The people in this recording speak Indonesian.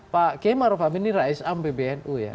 pak k ma'ruf hamid ini raih s a m pbnu ya